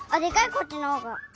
こっちのほうが。